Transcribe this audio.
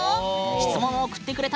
質問を送ってくれた